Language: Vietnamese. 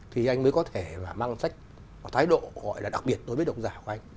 thì anh mới có thể mang sách có thái độ gọi là đặc biệt đối với độc giả của anh